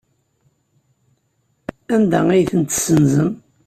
Anda ay tent-tessenzem?